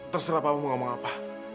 terserah papa mau ngomong apa